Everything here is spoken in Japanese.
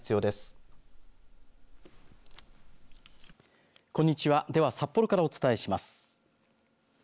では札幌からお伝えします。